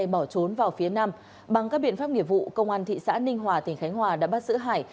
bỏ trốn vào phía nam bằng các biện pháp nghiệp vụ công an thị xã ninh hòa tỉnh khánh hòa đã bắt giữ hải